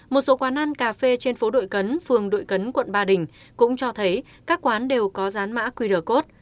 một số quán ăn cà phê trên phố đội cấn phường đội cấn quận ba đình cũng cho thấy các quán đều có dán mã quy rờ cốt